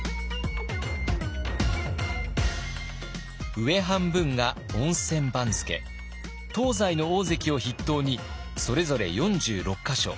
上半分が温泉番付東西の大関を筆頭にそれぞれ４６か所。